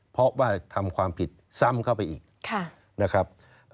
เพราะว่าทำความผิดซ้ำเข้าไปอีกนะครับ